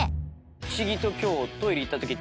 不思議と今日トイレ行ったとき。